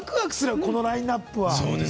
このラインナップ。